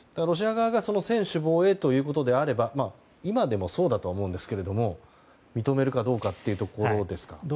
ロシア側が専守防衛ということであれば今でもそうだと思うんですけど認めるかどうかというところですか？